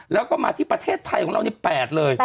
แล้วก็มาที่ประเทศไทยของเราใน๘เลย